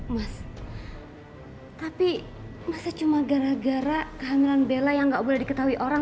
mas tapi masa cuma gara gara kehamilan bela yang gak boleh diketahui orang